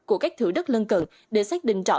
của các thử đất lân cận để xác định rõ